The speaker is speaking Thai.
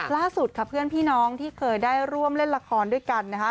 ล่าสุดค่ะเพื่อนพี่น้องที่เคยได้ร่วมเล่นละครด้วยกันนะคะ